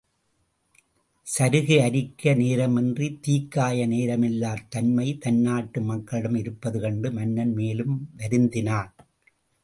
சருகு அரிக்க நேரமின்றி தீக்காய நேரமில்லாத் தன்மை தன்நாட்டு மக்களிடம் இருப்பது கண்டு மன்னன் மேலும் வருந்தினான்.